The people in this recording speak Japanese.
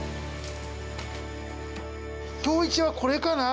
今日一はこれかな。